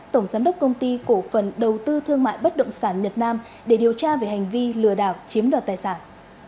tổng giám đốc công ty cổ phần đầu tư thương mại bất động sản nhật nam để điều tra về hành vi lừa đảo chiếm đoạt tài sản